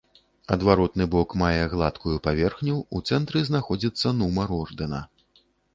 Адваротны бок мае гладкую паверхню, у цэнтры знаходзіцца нумар ордэна.